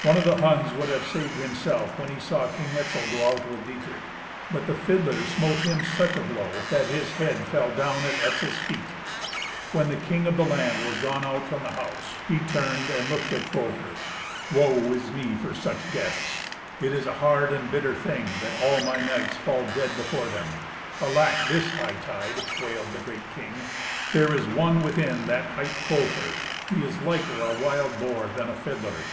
One of the Huns would have saved himself when he saw King Etzel go out with Dietrich, but the fiddler smote him such a blow that his head fell down at Etzel's feet. When the king of the land was gone out from the house, he turned and looked at Folker. "Woe is me for such guests! It is a hard and bitter thing that all my knights fall dead before them! Alack! this hightide!" wailed the great king. "There is one within that hight Folker. He is liker a wild boar than a fiddler.